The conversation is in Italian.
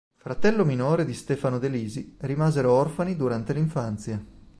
Fratello minore di Stefano De Lisi, rimasero orfani durante l'infanzia.